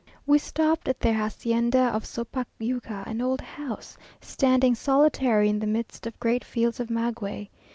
We stopped at their hacienda of Sopayuca, an old house, standing solitary in the midst of great fields of maguey.